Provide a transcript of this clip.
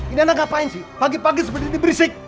indahnya ngapain sih pagi pagi seperti ini berisik